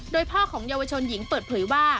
โดยพ่อของเยาวชนหญิงเปิดเผยว่า